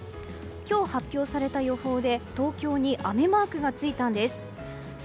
今日発表された予報で東京に雨マークがついたんです。